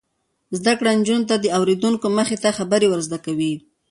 زده کړه نجونو ته د اوریدونکو مخې ته خبرې ور زده کوي.